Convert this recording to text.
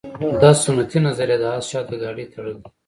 دا سنتي نظریه د اس شاته د ګاډۍ تړل دي